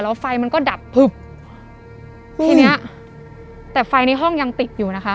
แล้วไฟมันก็ดับพึบทีเนี้ยแต่ไฟในห้องยังติดอยู่นะคะ